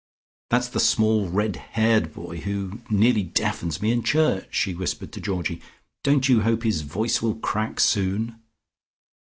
"That's the small red haired boy who nearly deafens me in church," she whispered to Georgie. "Don't you hope his voice will crack soon?"